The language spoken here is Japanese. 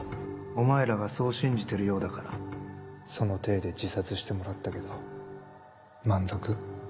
お前らがそう信じてるようだからその体で自殺してもらったけど満足？